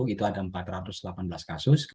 itu ada empat ratus delapan belas kasus